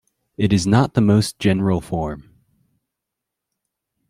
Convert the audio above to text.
It is not the most general form.